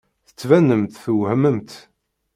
Tettbanemt twehmemt.